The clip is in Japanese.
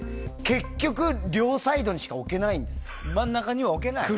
結局、両サイドにしか置けないんですよ。